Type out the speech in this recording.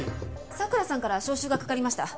佐倉さんから招集がかかりました。